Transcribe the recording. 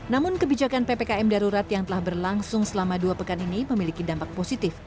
namun kebijakan ppkm darurat yang telah berlangsung selama dua pekan ini memiliki dampak positif